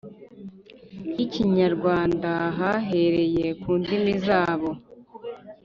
y’Ikinyarwanda bahereye ku ndimi zabo.